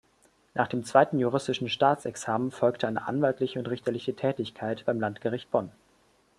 Nach dem zweiten juristischen Staatsexamen folgte eine anwaltliche und richterliche Tätigkeit beim Landgericht Bonn.